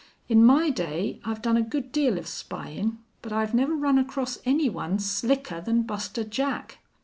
In my day I've done a good deal of spyin', but I've never run across any one slicker than Buster Jack.